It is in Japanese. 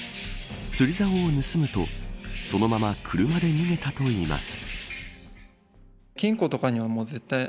釣り竿を盗むとそのまま車で逃げたといいます。